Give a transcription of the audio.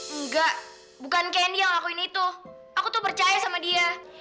enggak bukan kendi yang lakuin itu aku tuh percaya sama dia